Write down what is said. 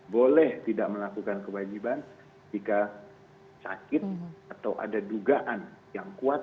boleh tidak melakukan kewajiban jika sakit atau ada dugaan yang kuat